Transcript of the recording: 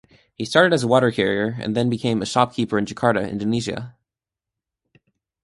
He started as a water-carrier and then became a shopkeeper in Jakarta, Indonesia.